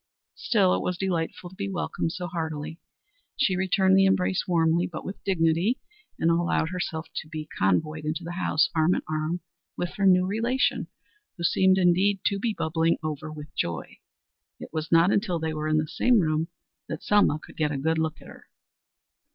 Still it was delightful to be welcomed so heartily. She returned the embrace warmly but with dignity, and allowed herself to be convoyed into the house arm in arm with her new relation who seemed, indeed, to be bubbling over with joy. It was not until they were in the same room that Selma could get a good look at her.